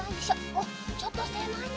おっちょっとせまいね。